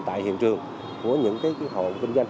tại hiện trường của những hộ kinh doanh